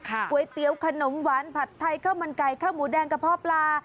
ก๋วยเตี๋ยวขนมหวานผัดไทยข้าวมันไก่ข้าวหมูแดงกระเพาะปลา